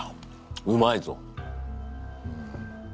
うまいぞ。